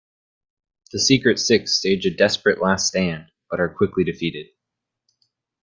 The Secret Six stage a desperate last stand, but are quickly defeated.